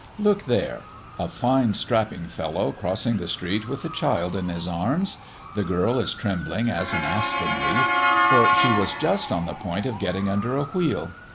Look there! A fine strapping fellow crossing the street with a child in his arms! The girl is trembling as an aspen leaf, for she was just on the point of getting under a wheel.